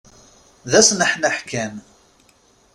D asneḥneḥ kan!